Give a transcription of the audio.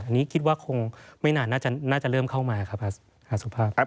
อันนี้คิดว่าคงไม่นานน่าจะเริ่มเข้ามาครับอาสุภาพครับ